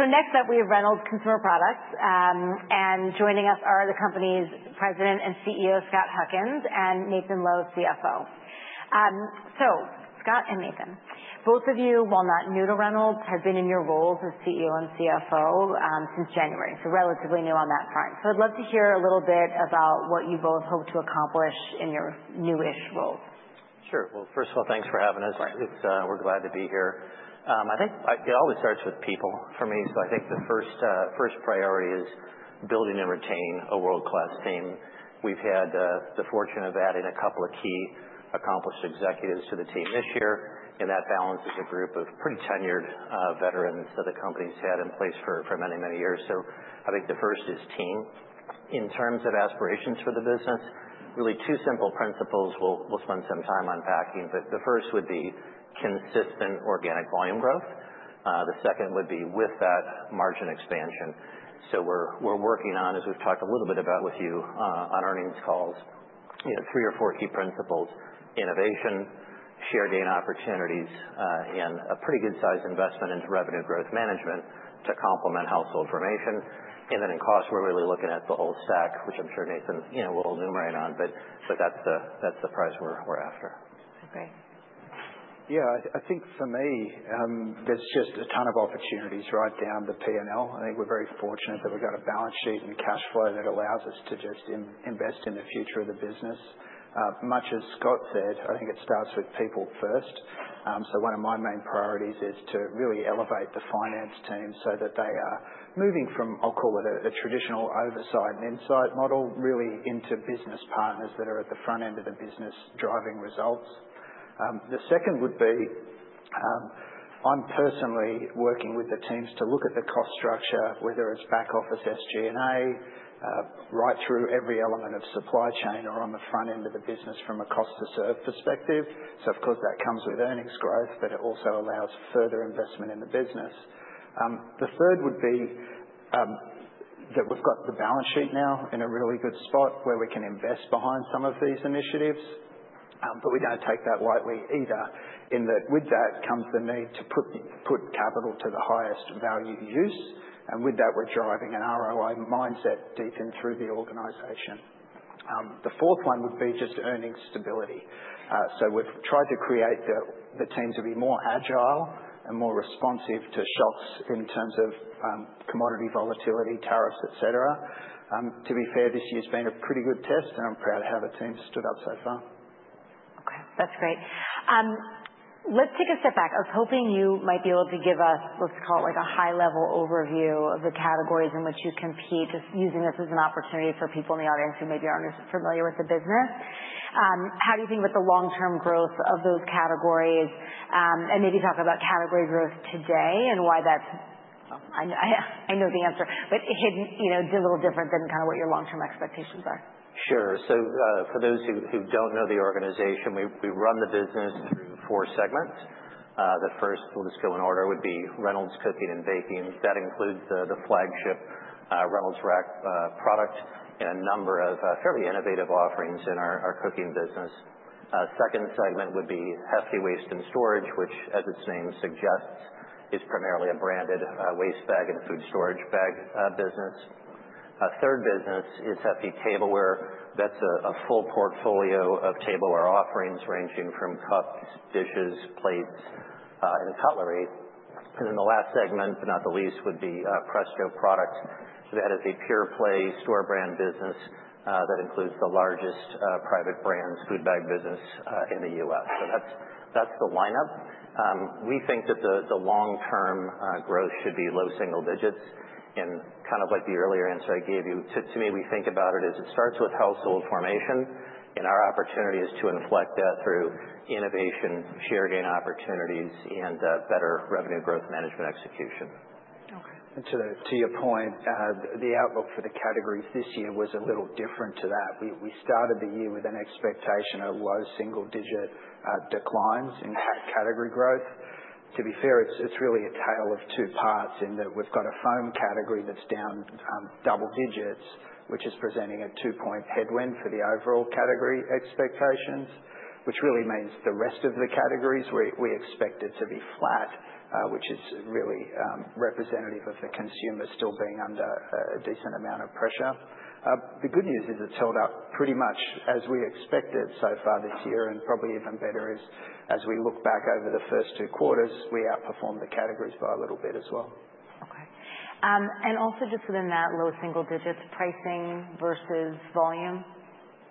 Next up, we have Reynolds Consumer Products. Joining us are the company's President and CEO, Scott Huckins, and Nathan Lowe, CFO. Scott and Nathan, both of you, while not new to Reynolds, have been in your roles as CEO and CFO since January, so relatively new on that front. I’d love to hear a little bit about what you both hope to accomplish in your new-ish roles. Sure. Well, first of all, thanks for having us. We're glad to be here. I think it always starts with people for me. So I think the first priority is building and retaining a world-class team. We've had the fortune of adding a couple of key accomplished executives to the team this year. And that balance is a group of pretty tenured veterans that the company's had in place for many, many years. So I think the first is team. In terms of aspirations for the business, really two simple principles we'll spend some time unpacking. But the first would be consistent organic volume growth. The second would be with that margin expansion. So we're working on, as we've talked a little bit about with you on earnings calls, three or four key principles: innovation, share gain opportunities, and a pretty good-sized investment into revenue growth management to complement household formation. And then in cost, we're really looking at the whole stack, which I'm sure Nathan will enumerate on. But that's the prize we're after. Great. Yeah, I think for me, there's just a ton of opportunities right down the P&L. I think we're very fortunate that we've got a balance sheet and cash flow that allows us to just invest in the future of the business. Much as Scott said, I think it starts with people first. So one of my main priorities is to really elevate the finance team so that they are moving from, I'll call it, a traditional oversight and insight model, really into business partners that are at the front end of the business driving results. The second would be I'm personally working with the teams to look at the cost structure, whether it's back office SG&A, right through every element of supply chain or on the front end of the business from a cost-to-serve perspective. So, of course, that comes with earnings growth, but it also allows further investment in the business. The third would be that we've got the balance sheet now in a really good spot where we can invest behind some of these initiatives. But we don't take that lightly either. And with that comes the need to put capital to the highest value use. And with that, we're driving an ROI mindset deep and through the organization. The fourth one would be just earnings stability. So we've tried to create the team to be more agile and more responsive to shocks in terms of commodity volatility, tariffs, et cetera. To be fair, this year's been a pretty good test, and I'm proud to have a team stood up so far. Okay, that's great. Let's take a step back. I was hoping you might be able to give us, let's call it, a high-level overview of the categories in which you compete, just using this as an opportunity for people in the audience who maybe aren't as familiar with the business. How do you think about the long-term growth of those categories? And maybe talk about category growth today and why that's. I know the answer, but it's a little different than kind of what your long-term expectations are. Sure. For those who don't know the organization, we run the business through four segments. The first, we'll just go in order, would be Reynolds Cooking & Baking. That includes the flagship Reynolds Wrap product and a number of fairly innovative offerings in our cooking business. Second segment would be Hefty Waste & Storage, which, as its name suggests, is primarily a branded waste bag and food storage bag business. Our third business is Hefty Tableware. That's a full portfolio of tableware offerings ranging from cups, dishes, plates, and cutlery. The last segment, but not the least, would be Presto Products. That is a pure-play store brand business that includes the largest private brand's food bag business in the U.S. That's the lineup. We think that the long-term growth should be low single digits. Kind of like the earlier answer I gave you, to me, we think about it as it starts with household formation. Our opportunity is to inflect that through innovation, share gain opportunities, and better revenue growth management execution. And to your point, the outlook for the categories this year was a little different to that. We started the year with an expectation of low single-digit declines in category growth. To be fair, it's really a tale of two parts in that we've got a foam category that's down double digits, which is presenting a two-point headwind for the overall category expectations, which really means the rest of the categories we expected to be flat, which is really representative of the consumer still being under a decent amount of pressure. The good news is it's held up pretty much as we expected so far this year. And probably even better is as we look back over the first two quarters, we outperformed the categories by a little bit as well. Okay, and also just within that low single digits, pricing versus volume,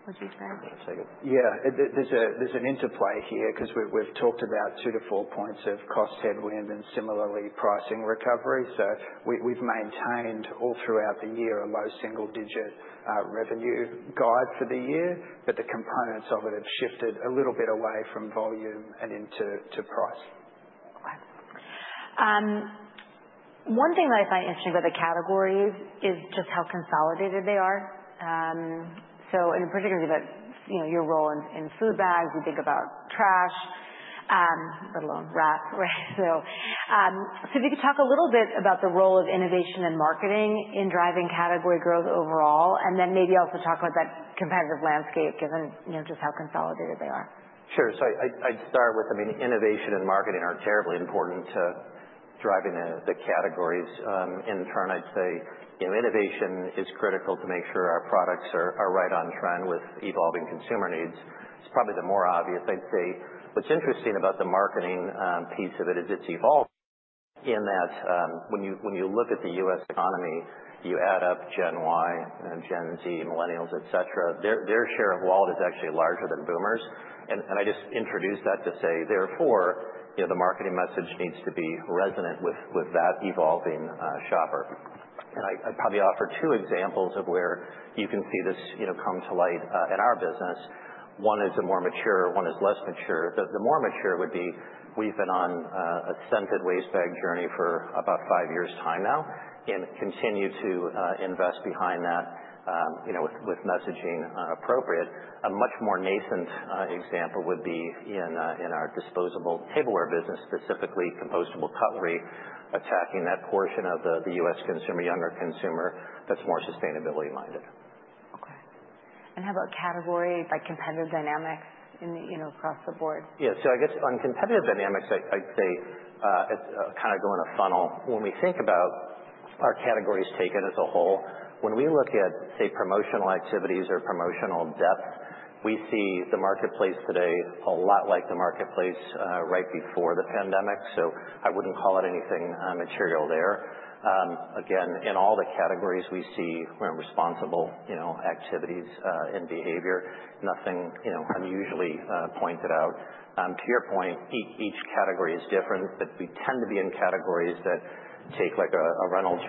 would you say? Yeah, there's an interplay here because we've talked about two to four points of cost headwind and similarly pricing recovery. So we've maintained all throughout the year a low single-digit revenue guide for the year. But the components of it have shifted a little bit away from volume and into price. Okay. One thing that I find interesting about the categories is just how consolidated they are. So in particular, you have your role in food bags. You think about trash, let alone wrap, right? So if you could talk a little bit about the role of innovation and marketing in driving category growth overall, and then maybe also talk about that competitive landscape given just how consolidated they are. Sure, so I'd start with, I mean, innovation and marketing are terribly important to driving the categories. In turn, I'd say innovation is critical to make sure our products are right on trend with evolving consumer needs. It's probably the more obvious. I'd say what's interesting about the marketing piece of it is it's evolved in that when you look at the U.S. economy, you add up Gen Y, Gen Z, millennials, et cetera, their share of wallet is actually larger than boomers, and I just introduce that to say, therefore, the marketing message needs to be resonant with that evolving shopper, and I'd probably offer two examples of where you can see this come to light in our business. One is a more mature, one is less mature. The more mature would be we've been on a scented waste bag journey for about five years' time now and continue to invest behind that with messaging appropriate. A much more nascent example would be in our disposable tableware business, specifically compostable cutlery, attacking that portion of the U.S. consumer, younger consumer that's more sustainability-minded. Okay. And how about category by competitive dynamics across the board? Yeah. So I guess on competitive dynamics, I'd say kind of go in a funnel. When we think about our categories taken as a whole, when we look at, say, promotional activities or promotional depth, we see the marketplace today a lot like the marketplace right before the pandemic. So I wouldn't call it anything material there. Again, in all the categories, we see responsible activities and behavior, nothing unusually pointed out. To your point, each category is different, but we tend to be in categories that take like a Reynolds.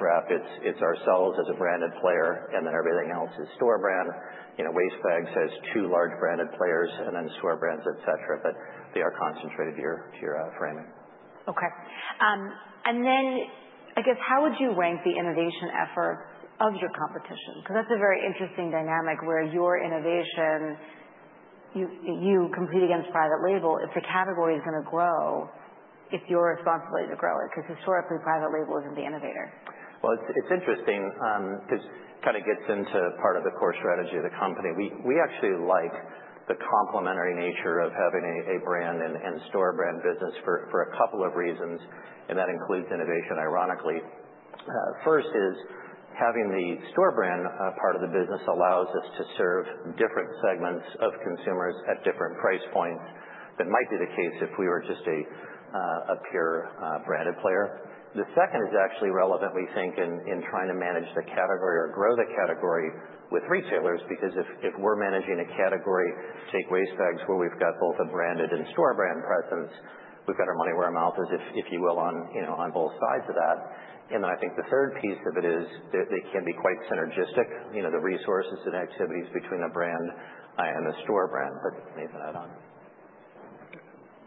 It's ourselves as a branded player, and then everything else is store brand. Waste bags has two large branded players and then store brands, et cetera. But they are concentrated to your framing. Okay. And then I guess how would you rank the innovation efforts of your competition? Because that's a very interesting dynamic where your innovation, you compete against private label. If the category is going to grow, it's your responsibility to grow it because historically, private label isn't the innovator. It's interesting because it kind of gets into part of the core strategy of the company. We actually like the complementary nature of having a brand and store brand business for a couple of reasons. That includes innovation, ironically. First is having the store brand part of the business allows us to serve different segments of consumers at different price points. That might be the case if we were just a pure branded player. The second is actually relevant, we think, in trying to manage the category or grow the category with retailers because if we're managing a category, take waste bags where we've got both a branded and store brand presence, we've got our money where our mouth is, if you will, on both sides of that. And then I think the third piece of it is they can be quite synergistic, the resources and activities between the brand and the store brand. But Nathan, add on.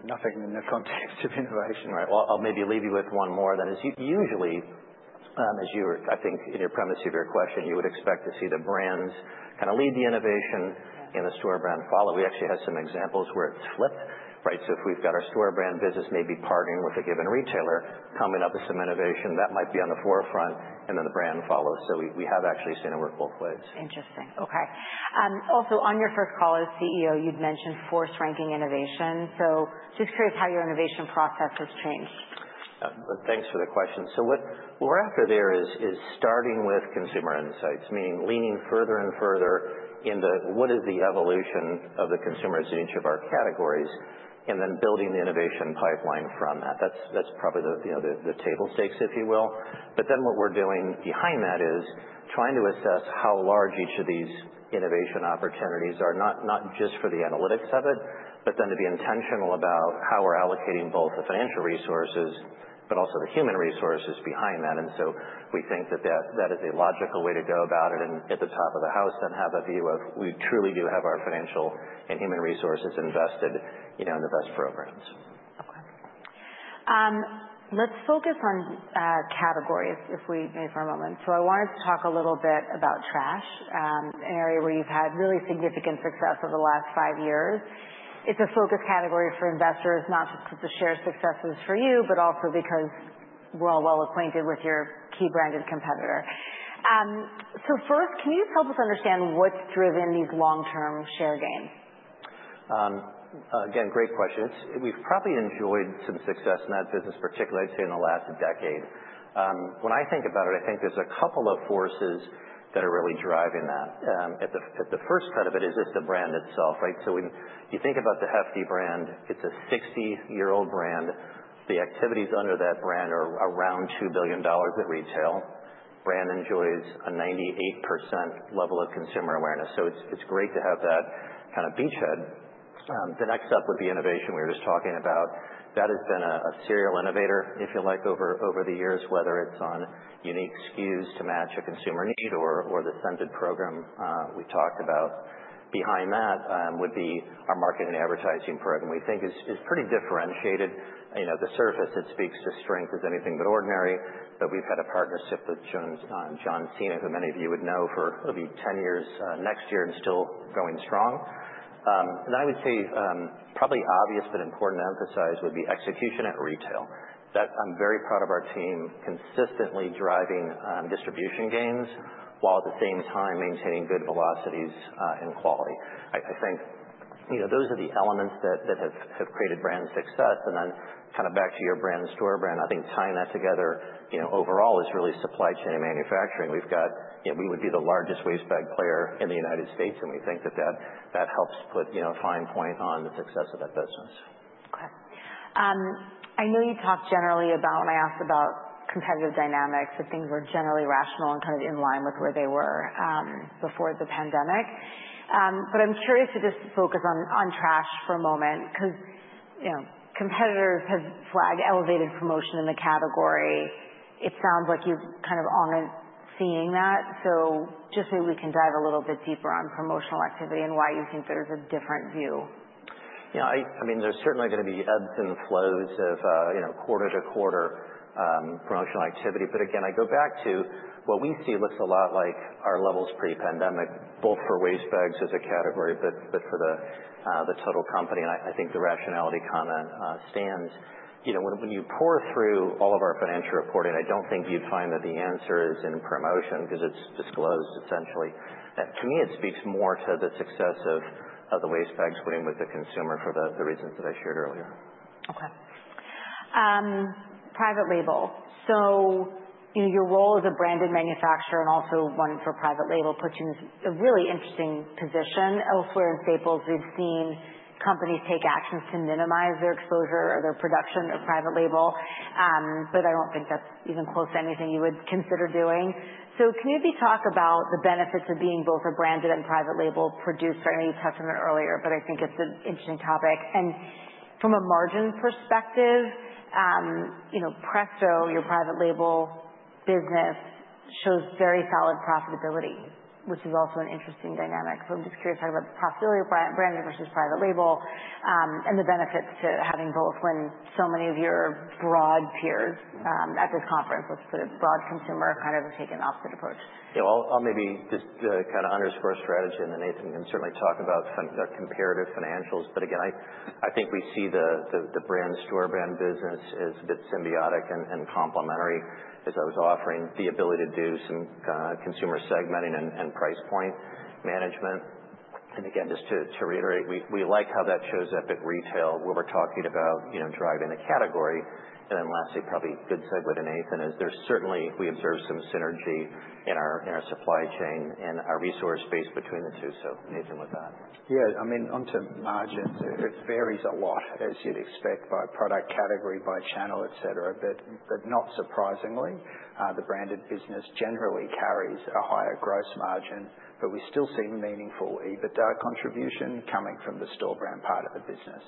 Nothing in the context of innovation. Right. Well, I'll maybe leave you with one more then. Usually, as you were, I think, in your premise of your question, you would expect to see the brands kind of lead the innovation and the store brand follow. We actually have some examples where it's flipped, right? So if we've got our store brand business maybe partnering with a given retailer, coming up with some innovation, that might be on the forefront, and then the brand follows. So we have actually seen it work both ways. Interesting. Okay. Also, on your first call as CEO, you'd mentioned force-ranking innovation. So just curious how your innovation process has changed? Thanks for the question. So what we're after there is starting with consumer insights, meaning leaning further and further into what is the evolution of the consumers in each of our categories and then building the innovation pipeline from that. That's probably the table stakes, if you will. But then what we're doing behind that is trying to assess how large each of these innovation opportunities are, not just for the analytics of it, but then to be intentional about how we're allocating both the financial resources but also the human resources behind that. And so we think that that is a logical way to go about it. And at the top of the house, then have a view of we truly do have our financial and human resources invested in the best programs. Okay. Let's focus on categories if we may for a moment. So I wanted to talk a little bit about trash, an area where you've had really significant success over the last five years. It's a focus category for investors, not just because the share success is for you, but also because we're all well acquainted with your key branded competitor. So first, can you help us understand what's driven these long-term share gains? Again, great question. We've probably enjoyed some success in that business, particularly, I'd say, in the last decade. When I think about it, I think there's a couple of forces that are really driving that. At the first cut of it is just the brand itself, right? So when you think about the Hefty brand, it's a 60-year-old brand. The activities under that brand are around $2 billion at retail. Brand enjoys a 98% level of consumer awareness. So it's great to have that kind of beachhead. The next up would be innovation we were just talking about. That has been a serial innovator, if you like, over the years, whether it's on unique SKUs to match a consumer need or the scented program we talked about. Behind that would be our marketing advertising program, we think, is pretty differentiated. The tagline, it speaks to strength, is anything but ordinary. But we've had a partnership with John Cena, who many of you would know, for maybe 10 years next year and still going strong. And I would say probably obvious but important to emphasize would be execution at retail. I'm very proud of our team consistently driving distribution gains while at the same time maintaining good velocities and quality. I think those are the elements that have created brand success. And then kind of back to your brand, store brand, I think tying that together overall is really supply chain and manufacturing. We would be the largest waste bag player in the United States, and we think that that helps put a fine point on the success of that business. Okay. I know you talked generally about, when I asked about competitive dynamics, that things were generally rational and kind of in line with where they were before the pandemic. But I'm curious to just focus on trash for a moment because competitors have flagged elevated promotion in the category. It sounds like you've kind of aren't seeing that. So just maybe we can dive a little bit deeper on promotional activity and why you think there's a different view? Yeah. I mean, there's certainly going to be ebbs and flows of quarter to quarter promotional activity. But again, I go back to what we see looks a lot like our levels pre-pandemic, both for waste bags as a category but for the total company. And I think the rationality comment stands. When you pore through all of our financial reporting, I don't think you'd find that the answer is in promotion because it's disclosed, essentially. To me, it speaks more to the success of the waste bags winning with the consumer for the reasons that I shared earlier. Okay. Private label. So your role as a branded manufacturer and also one for private label puts you in this really interesting position. Elsewhere in staples, we've seen companies take actions to minimize their exposure or their production of private label. But I don't think that's even close to anything you would consider doing. So can you maybe talk about the benefits of being both a branded and private label producer? I know you touched on it earlier, but I think it's an interesting topic, and from a margin perspective, Presto, your private label business, shows very solid profitability, which is also an interesting dynamic. So I'm just curious to talk about the profitability of branded versus private label and the benefits to having both when so many of your broad peers at this conference, let's put it, broad consumer kind of have taken the opposite approach. Yeah. Well, I'll maybe just kind of underscore strategy. And then Nathan can certainly talk about comparative financials. But again, I think we see the branded store-brand business as a bit symbiotic and complementary, as I was offering, the ability to do some consumer segmenting and price point management. And again, just to reiterate, we like how that shows up at retail where we're talking about driving the category. And then lastly, probably good segue with Nathan is we certainly observe some synergy in our supply chain and our resource space between the two. So, Nathan, with that. Yeah. I mean, onto margins, it varies a lot, as you'd expect, by product category, by channel, et cetera. But not surprisingly, the branded business generally carries a higher gross margin, but we still see meaningful EBITDA contribution coming from the store brand part of the business.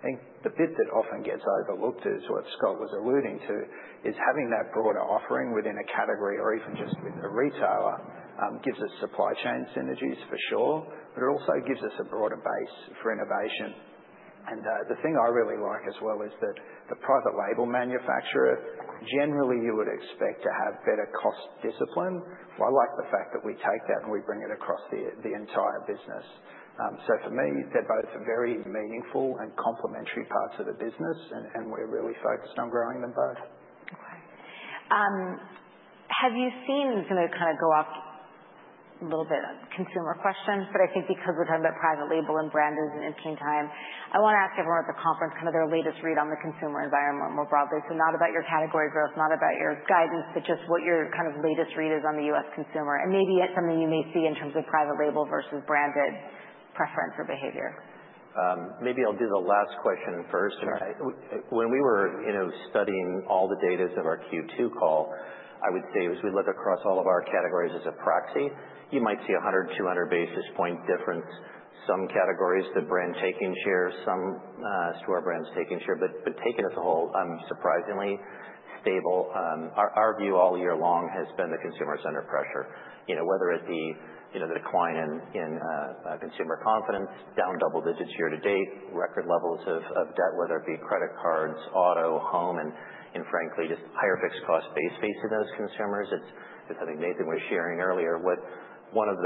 I think the bit that often gets overlooked is what Scott was alluding to, is having that broader offering within a category or even just with a retailer gives us supply chain synergies, for sure, but it also gives us a broader base for innovation. And the thing I really like as well is that the private label manufacturer, generally, you would expect to have better cost discipline. Well, I like the fact that we take that and we bring it across the entire business. So for me, they're both very meaningful and complementary parts of the business, and we're really focused on growing them both. Okay. Have you seen? This is going to kind of go off a little bit on consumer questions, but I think because we're talking about private label and branded in the meantime, I want to ask everyone at the conference kind of their latest read on the consumer environment more broadly. So not about your category growth, not about your guidance, but just what your kind of latest read is on the U.S. consumer, and maybe it's something you may see in terms of private label versus branded preference or behavior. Maybe I'll do the last question first. When we were studying all the data of our Q2 call, I would say as we look across all of our categories as a proxy, you might see 100-200 basis point difference. Some categories, the brand taking share, some store brands taking share. But taken as a whole, surprisingly stable. Our view all year long has been the consumer's under pressure, whether it be the decline in consumer confidence, down double digits year to date, record levels of debt, whether it be credit cards, auto, home, and frankly, just higher fixed cost base facing those consumers. I think Nathan was sharing earlier what one of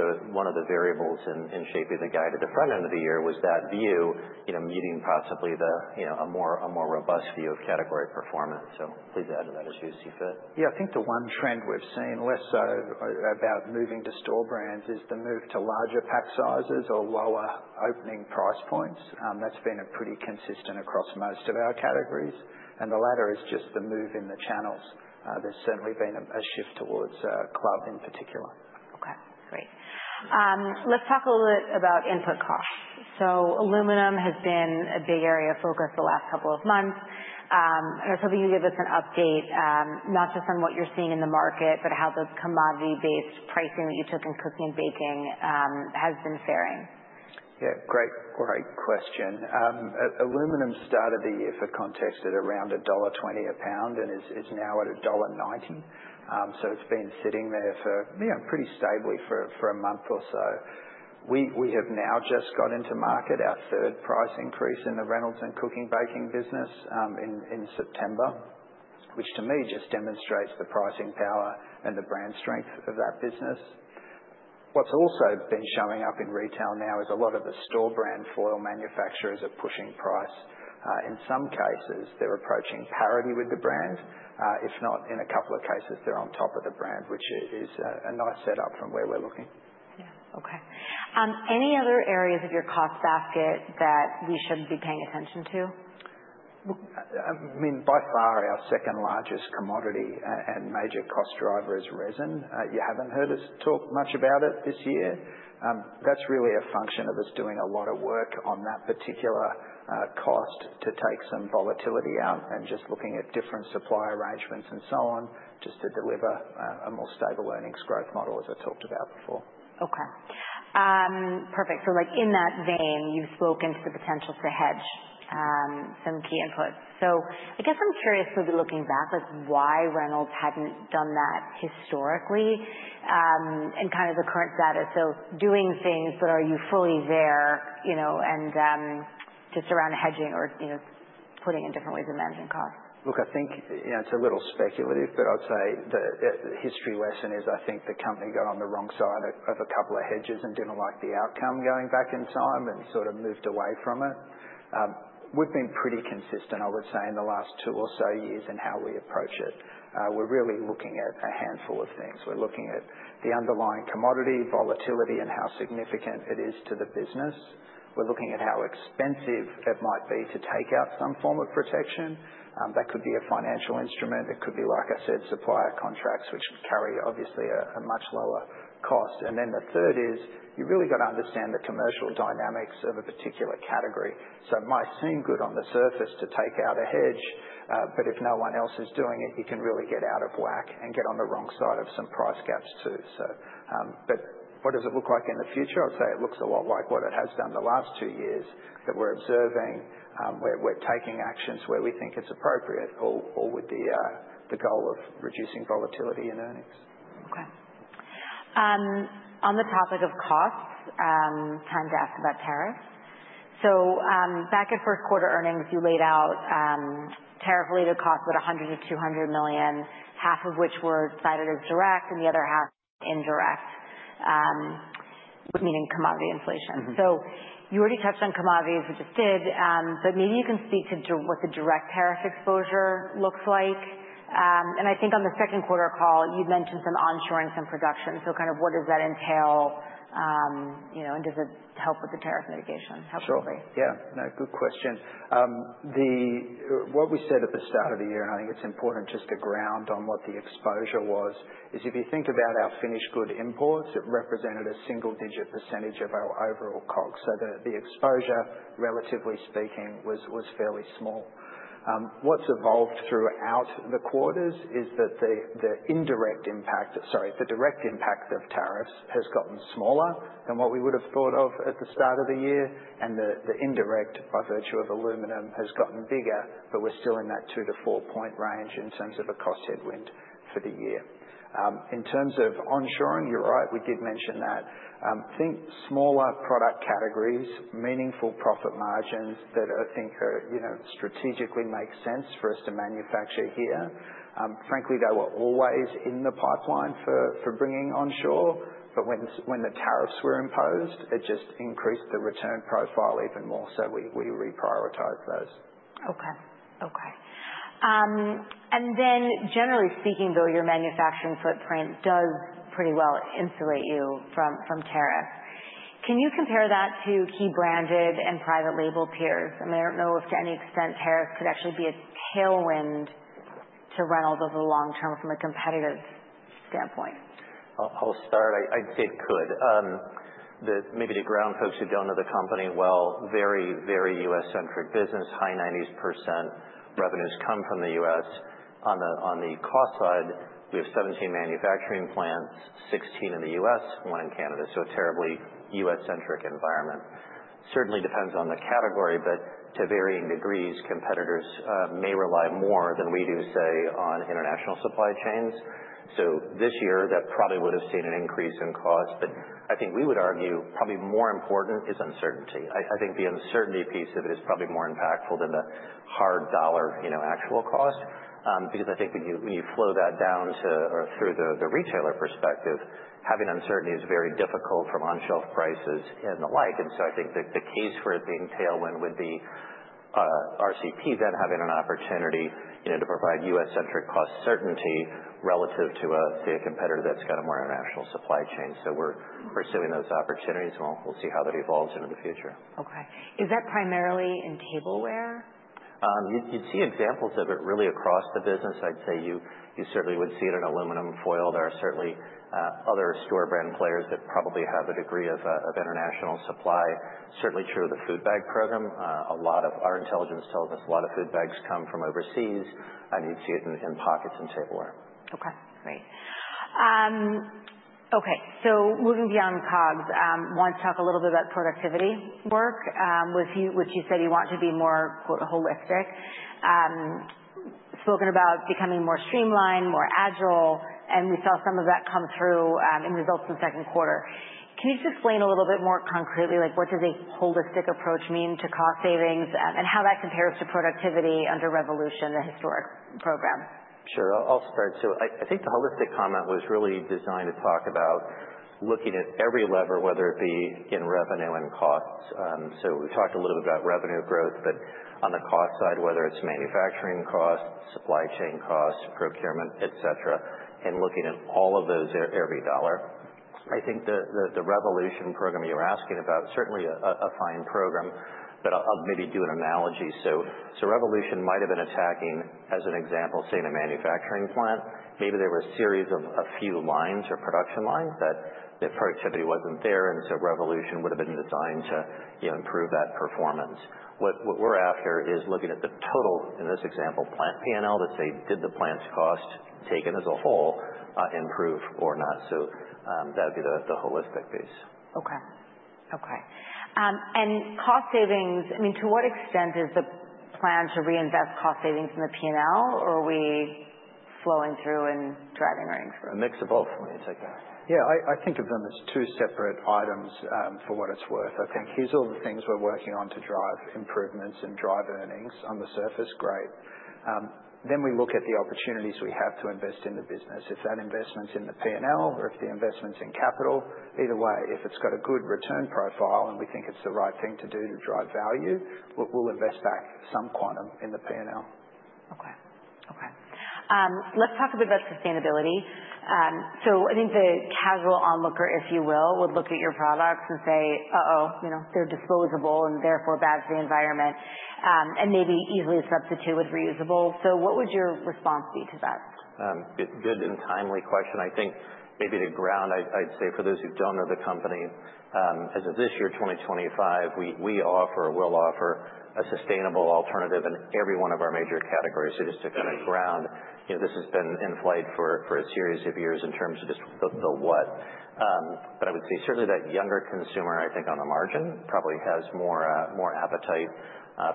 the variables in shaping the guide at the front end of the year was that view, meeting possibly a more robust view of category performance. So please add to that as you see fit. Yeah. I think the one trend we've seen less so about moving to store brands is the move to larger pack sizes or lower opening price points. That's been pretty consistent across most of our categories, and the latter is just the move in the channels. There's certainly been a shift towards club in particular. Okay. Great. Let's talk a little bit about input costs. So aluminum has been a big area of focus the last couple of months. And I was hoping you'd give us an update not just on what you're seeing in the market, but how the commodity-based pricing that you took in cooking and baking has been faring. Yeah. Great, great question. Aluminum started the year, for context, at around $1.20 a pound and is now at $1.90. So it's been sitting there pretty stably for a month or so. We have now just got to market our third price increase in the Reynolds and cooking and baking business in September, which to me just demonstrates the pricing power and the brand strength of that business. What's also been showing up in retail now is a lot of the store brand foil manufacturers are pushing price. In some cases, they're approaching parity with the brand. If not, in a couple of cases, they're on top of the brand, which is a nice setup from where we're looking. Yeah. Okay. Any other areas of your cost basket that we should be paying attention to? I mean, by far, our second largest commodity and major cost driver is resin. You haven't heard us talk much about it this year. That's really a function of us doing a lot of work on that particular cost to take some volatility out and just looking at different supply arrangements and so on just to deliver a more stable earnings growth model, as I talked about before. Okay. Perfect. So in that vein, you've spoken to the potential to hedge some key inputs. So I guess I'm curious, maybe looking back, why Reynolds hadn't done that historically and kind of the current status. So doing things, but are you fully there and just around hedging or putting in different ways of managing costs? Look, I think it's a little speculative, but I'll say the history lesson is I think the company got on the wrong side of a couple of hedges and didn't like the outcome going back in time and sort of moved away from it. We've been pretty consistent, I would say, in the last two or so years in how we approach it. We're really looking at a handful of things. We're looking at the underlying commodity, volatility, and how significant it is to the business. We're looking at how expensive it might be to take out some form of protection. That could be a financial instrument. It could be, like I said, supplier contracts, which carry obviously a much lower cost, and then the third is you really got to understand the commercial dynamics of a particular category. So it might seem good on the surface to take out a hedge, but if no one else is doing it, you can really get out of whack and get on the wrong side of some price gaps too. But what does it look like in the future? I'd say it looks a lot like what it has done the last two years that we're observing. We're taking actions where we think it's appropriate all with the goal of reducing volatility in earnings. Okay. On the topic of costs, time to ask about tariffs. So back at first quarter earnings, you laid out tariff-related costs at $100 million-$200 million, half of which were cited as direct and the other half indirect, meaning commodity inflation. So you already touched on commodities, which I did, but maybe you can speak to what the direct tariff exposure looks like. And I think on the second quarter call, you'd mentioned some onshoring, some production. So kind of what does that entail? And does it help with the tariff mitigation? Sure. Yeah. No, good question. What we said at the start of the year, and I think it's important just to ground on what the exposure was, is if you think about our finished good imports, it represented a single-digit percentage of our overall COGS. So the exposure, relatively speaking, was fairly small. What's evolved throughout the quarters is that the indirect impact, sorry, the direct impact of tariffs has gotten smaller than what we would have thought of at the start of the year. And the indirect, by virtue of aluminum, has gotten bigger, but we're still in that two to four-point range in terms of a cost headwind for the year. In terms of onshoring, you're right, we did mention that. I think smaller product categories, meaningful profit margins that I think strategically make sense for us to manufacture here. Frankly, they were always in the pipeline for bringing onshore, but when the tariffs were imposed, it just increased the return profile even more. So we reprioritized those. And then generally speaking, though, your manufacturing footprint does pretty well insulate you from tariffs. Can you compare that to key branded and private label peers? I mean, I don't know if to any extent tariffs could actually be a tailwind to Reynolds over the long term from a competitive standpoint. I'll start. I'd say it could. Maybe to ground folks who don't know the company. Well, very, very U.S.-centric business, high 90% revenues come from the U.S. On the cost side, we have 17 manufacturing plants, 16 in the U.S., one in Canada. So a terribly U.S.-centric environment. Certainly depends on the category, but to varying degrees, competitors may rely more than we do, say, on international supply chains. So this year, that probably would have seen an increase in cost. But I think we would argue probably more important is uncertainty. I think the uncertainty piece of it is probably more impactful than the hard dollar actual cost because I think when you flow that down to or through the retailer perspective, having uncertainty is very difficult from onshore prices and the like. And so I think the case for it being tailwind would be RCP then having an opportunity to provide U.S.-centric cost certainty relative to a competitor that's got a more international supply chain. So we're pursuing those opportunities. We'll see how that evolves into the future. Okay. Is that primarily in tableware? You'd see examples of it really across the business. I'd say you certainly would see it in aluminum foil. There are certainly other store brand players that probably have a degree of international supply. Certainly true of the food bag program. A lot of our intelligence tells us a lot of food bags come from overseas, and you'd see it in pockets in tableware. Okay. Great. Okay. So moving beyond COGS, want to talk a little bit about productivity work, which you said you want to be more "holistic," spoken about becoming more streamlined, more agile, and we saw some of that come through in results in the second quarter. Can you just explain a little bit more concretely what does a holistic approach mean to cost savings and how that compares to productivity under Revolution, the historic program? Sure. I'll start too. I think the holistic comment was really designed to talk about looking at every lever, whether it be in revenue and costs. So we've talked a little bit about revenue growth, but on the cost side, whether it's manufacturing costs, supply chain costs, procurement, et cetera, and looking at all of those at every dollar. I think the Revolution program you're asking about, certainly a fine program, but I'll maybe do an analogy. So Revolution might have been attacking, as an example, say, in a manufacturing plant, maybe there were a series of a few lines or production lines that the productivity wasn't there, and so Revolution would have been designed to improve that performance. What we're after is looking at the total, in this example, plant P&L to say, did the plant's cost taken as a whole improve or not? That would be the holistic piece. And cost savings, I mean, to what extent is the plan to reinvest cost savings in the P&L, or are we flowing through and driving earnings growth? A mix of both when you take that. Yeah. I think of them as two separate items for what it's worth. I think here's all the things we're working on to drive improvements and drive earnings. On the surface, great. Then we look at the opportunities we have to invest in the business. If that investment's in the P&L or if the investment's in capital, either way, if it's got a good return profile and we think it's the right thing to do to drive value, we'll invest back some quantum in the P&L. Okay. Okay. Let's talk a bit about sustainability. So I think the casual onlooker, if you will, would look at your products and say, "Uh-oh, they're disposable and therefore bad for the environment," and maybe easily substitute with reusable. So what would your response be to that? Good and timely question. I think maybe to ground, I'd say for those who don't know the company, as of this year, 2025, we offer or will offer a sustainable alternative in every one of our major categories. So just to kind of ground, this has been in flight for a series of years in terms of just the what. But I would say certainly that younger consumer, I think on the margin, probably has more appetite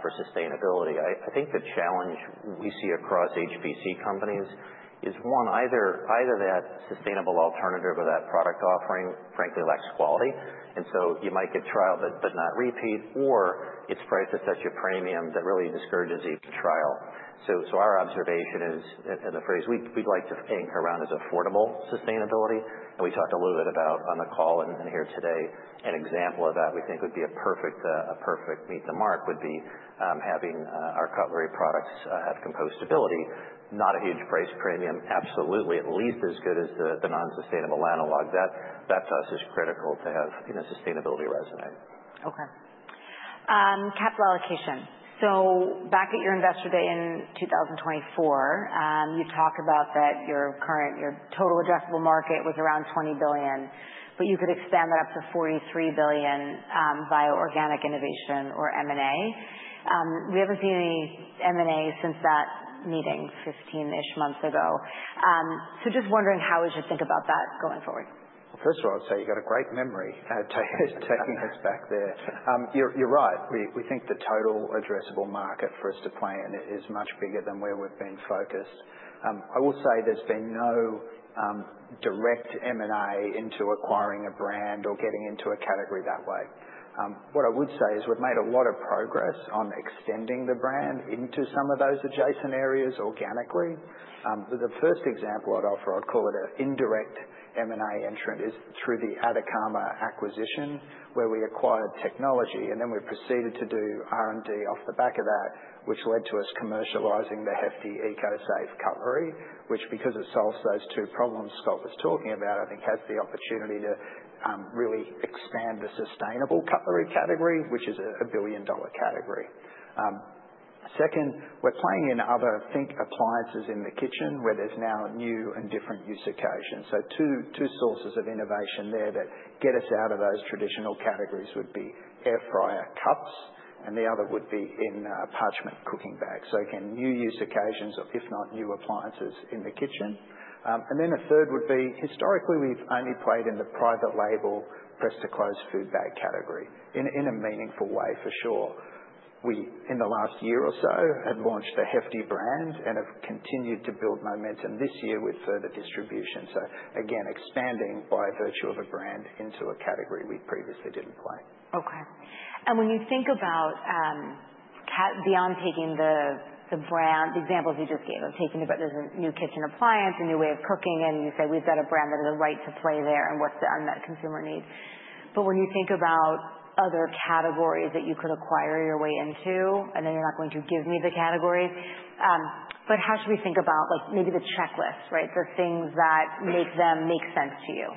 for sustainability. I think the challenge we see across HPC companies is one, either that sustainable alternative or that product offering, frankly, lacks quality. And so you might get trial but not repeat, or it's priced at such a premium that really discourages even trial. So our observation is, and the phrase we'd like to ink around is affordable sustainability. We talked a little bit about, on the call and here today, an example of that we think would be a perfect meet the mark would be having our cutlery products have compostability, not a huge price premium, absolutely at least as good as the non-sustainable analog. That to us is critical to have sustainability resonate. Okay. Capital allocation. So back at your investor day in 2024, you talk about that your total addressable market was around $20 billion, but you could expand that up to $43 billion via organic innovation or M&A. We haven't seen any M&A since that meeting 15-ish months ago. So just wondering how we should think about that going forward. First of all, I'd say you've got a great memory taking us back there. You're right. We think the total addressable market for us to play in is much bigger than where we've been focused. I will say there's been no direct M&A into acquiring a brand or getting into a category that way. What I would say is we've made a lot of progress on extending the brand into some of those adjacent areas organically. The first example I'd offer, I'd call it an indirect M&A entrant, is through the Atacama acquisition where we acquired technology, and then we proceeded to do R&D off the back of that, which led to us commercializing the Hefty ECOSAVE cutlery, which because it solves those two problems Scott was talking about, I think has the opportunity to really expand the sustainable cutlery category, which is a billion-dollar category. Second, we're playing in other, I think, appliances in the kitchen where there's now new and different use occasions. So two sources of innovation there that get us out of those traditional categories would be air fryer cups, and the other would be in parchment cooking bags. So again, new use occasions, if not new appliances in the kitchen. And then a third would be historically we've only played in the private label press-to-close food bag category in a meaningful way, for sure. We in the last year or so have launched a Hefty brand and have continued to build momentum this year with further distribution. So again, expanding by virtue of a brand into a category we previously didn't play. Okay. And when you think about beyond taking the brand, the examples you just gave of taking the brand, there's a new kitchen appliance, a new way of cooking, and you say, "We've got a brand that has a right to play there," and what's the unmet consumer need? But when you think about other categories that you could acquire your way into, and then you're not going to give me the categories, but how should we think about maybe the checklist, right, the things that make them make sense to you?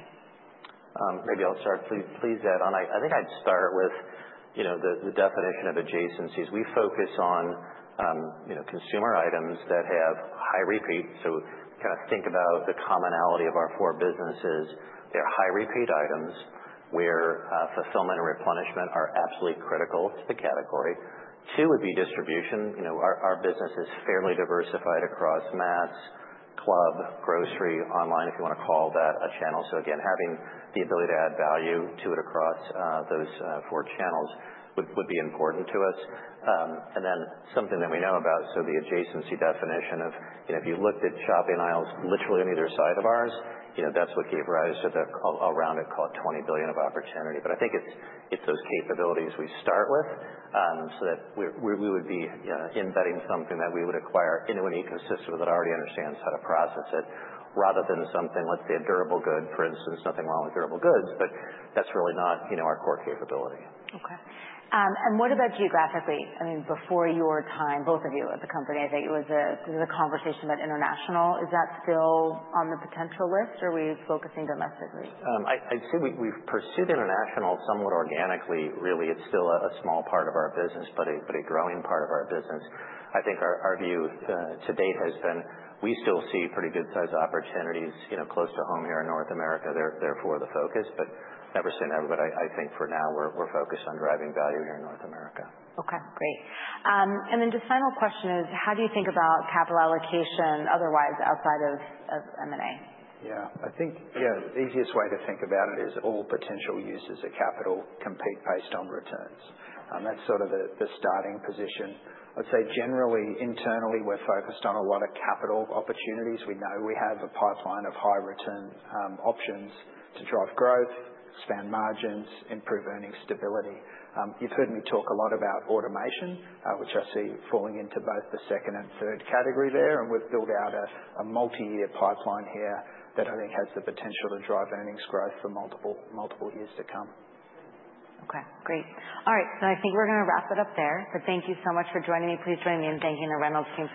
Maybe I'll start. Please add on. I think I'd start with the definition of adjacencies. We focus on consumer items that have high repeat. So kind of think about the commonality of our four businesses. They're high repeat items where fulfillment and replenishment are absolutely critical to the category. Two would be distribution. Our business is fairly diversified across mass, club, grocery, online, if you want to call that a channel. So again, having the ability to add value to it across those four channels would be important to us. And then something that we know about, so the adjacency definition of if you looked at shopping aisles literally on either side of ours, that's what gave rise to the around it called $20 billion of opportunity. But I think it's those capabilities we start with so that we would be embedding something that we would acquire into an ecosystem that already understands how to process it rather than something, let's say, a durable good, for instance, nothing wrong with durable goods, but that's really not our core capability. Okay. And what about geographically? I mean, before your time, both of you at the company, I think it was a conversation about international. Is that still on the potential list, or are we focusing domestically? I'd say we've pursued international somewhat organically, really. It's still a small part of our business, but a growing part of our business. I think our view to date has been we still see pretty good-sized opportunities close to home here in North America. They're the focus, but never say never. But I think for now we're focused on driving value here in North America. Okay. Great. And then just final question is, how do you think about capital allocation otherwise outside of M&A? Yeah. I think, yeah, the easiest way to think about it is all potential uses of capital can be based on returns. That's sort of the starting position. I'd say generally internally we're focused on a lot of capital opportunities. We know we have a pipeline of high return options to drive growth, expand margins, improve earnings stability. You've heard me talk a lot about automation, which I see falling into both the second and third category there, and we've built out a multi-year pipeline here that I think has the potential to drive earnings growth for multiple years to come. Okay. Great. All right. So I think we're going to wrap it up there. But thank you so much for joining me. Please join me in thanking the Reynolds Team.